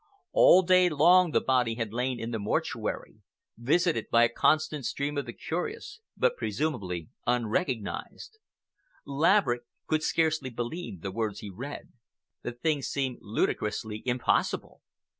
All day long the body had lain in the Mortuary, visited by a constant stream of the curious, but presumably unrecognized. Laverick could scarcely believe the words he read. The thing seemed ludicrously impossible.